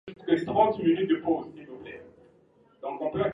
Dalili ya ndigana kali ni mfugo kuwa na vidoa vyenye damu chini ya ulimi